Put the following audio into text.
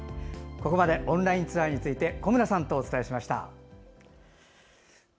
ここまでオンラインツアーについて小村さんとお伝えしました。